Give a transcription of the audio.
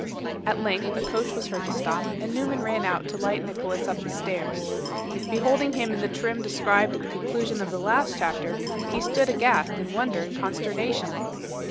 At length a coach was heard to stop, and Newman ran out to light Nicholas up the stairs. Beholding him in the trim described at the conclusion of the last chapter, he stood aghast in wonder and consternation.